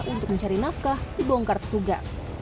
untuk mencari nafkah dibongkar petugas